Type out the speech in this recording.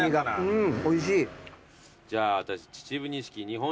うん。